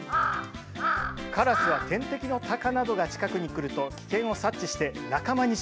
カラスは天敵のタカなどが近くに来ると危険を察知して仲間に知らせます。